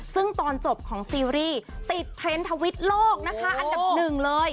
ซึ่งตอนจบของซีรีส์ติดเทรนด์ทวิตโลกนะคะอันดับหนึ่งเลย